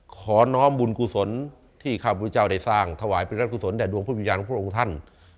ขอน้อมบุญกุศลที่ข้าพุทธเจ้าได้สร้างถวายเป็นรัฐกุศลแด่ดวงผู้วิญญาณของพระองค์ท่าน